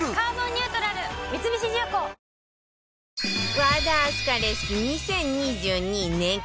和田明日香レシピ２０２２年間